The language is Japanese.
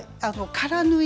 空縫い？